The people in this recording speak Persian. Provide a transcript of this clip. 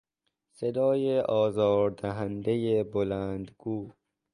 صدای آزار دهندهی بلندگو